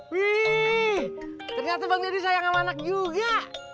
wih ternyata bang deddy sayang sama anak juga